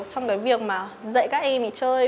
trong cái việc mà dạy các em ấy chơi